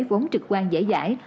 vốn trực quan dễ dãi